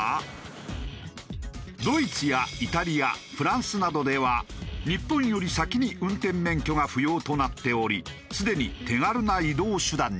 ドイツやイタリアフランスなどでは日本より先に運転免許が不要となっておりすでに手軽な移動手段に。